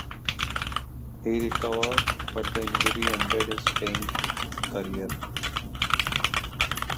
He recovered, but the injury ended his playing career.